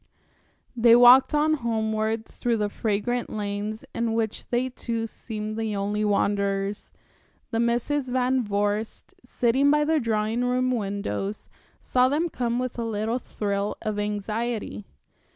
They walked on homeward through the fragrant lanes, in which they two seemed the only wanderers. The Misses Van Vorst, sitting by the drawing room windows, saw them come with a little thrill of anxiety.